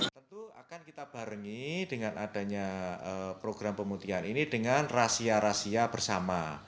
tentu akan kita barengi dengan adanya program pemutihan ini dengan rahasia rahasia bersama